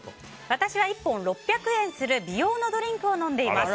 私は１本６００円する美容のドリンクを飲んでいます。